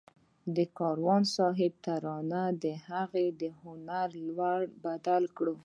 د کاروان صاحب ترانې د هغه د هنر لوری بدل کړ